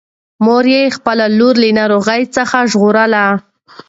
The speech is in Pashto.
مور یې خپله لور له ناروغۍ څخه ژغورله.